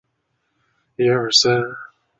本条目也主要讲述普通国道。